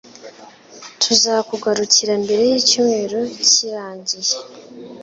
Tuzakugarukira mbere yicyumweru kirangiye.